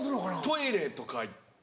トイレとか行って。